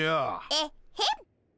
エッヘン。